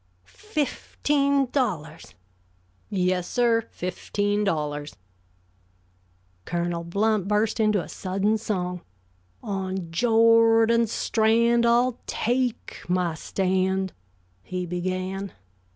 "Fifteen dollars!" "Yes, sir, fifteen dollars." Colonel Blount burst into a sudden song "On _Jor_dan's strand I'll take my stand!" he began.